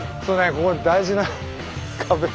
ここ大事な壁。